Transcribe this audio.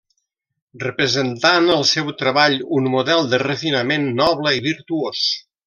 Representant el seu treball un model de refinament noble i virtuós.